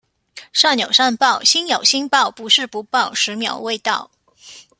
善有善報，星有星爆。不是不報，十秒未到